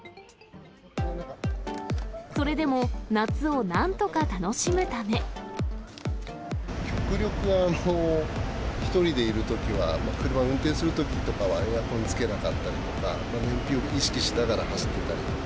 それでも、極力、一人でいるときは、車運転するときとかは、エアコンつけなかったりとか、燃費を意識しながら走ってたりとか。